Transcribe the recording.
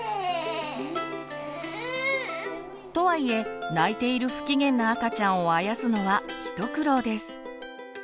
とはいえ泣いている不機嫌な赤ちゃんをあやすのは一苦労です。